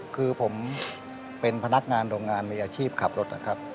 คือผมเป็นพนักงานโรงงานมีอาชีพขับรถนะครับ